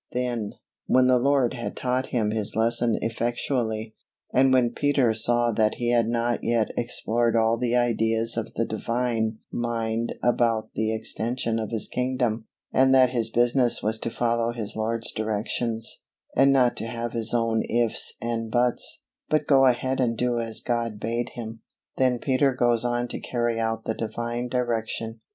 Then, when the Lord had taught him his lesson effectually, and when Peter saw that he had not yet explored all the ideas of the Divine mind about the extension of His kingdom, and that his business was to follow his Lord's directions, and not to have his own "ifs" and "buts," but go ahead and do as God bade him, then Peter goes on to carry out the Divine direction.